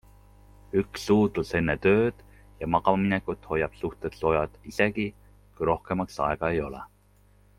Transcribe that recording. Üks suudlus enne tööd ja magamaminekut hoiab suhted soojad isegi, kui rohkemaks aega ei ole.